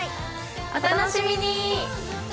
お楽しみに！